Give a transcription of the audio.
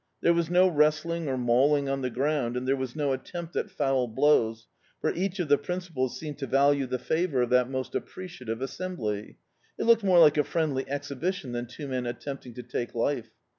There was no wrestling, or mauling on the ground, and there was no attempt at foul blows» for each of the principals seemed to value the favour of that most apprecia • tive assembly. It looked more like a friendly ex hibition than two men attempting to take life.